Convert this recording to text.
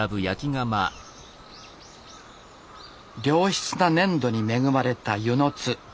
良質な粘土に恵まれた温泉津。